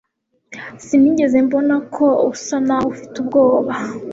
Sinigeze mbona ko usa naho ufite ubwoba